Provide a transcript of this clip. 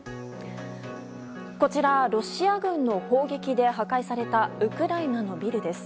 こちら、ロシア軍の砲撃で破壊されたウクライナのビルです。